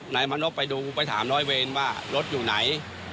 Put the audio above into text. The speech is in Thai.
นายมณพไปดูไปถามร้อยเวรว่ารถอยู่ไหน